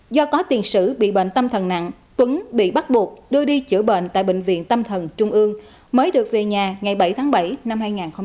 do có tiền sử bị bệnh tâm thần nặng tuấn bị bắt buộc đưa đi chữa bệnh tại bệnh viện tâm thần trung ương mới được về nhà ngày bảy tháng bảy năm hai nghìn hai mươi